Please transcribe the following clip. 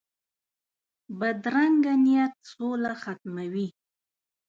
بدرنګه نیت سوله ختموي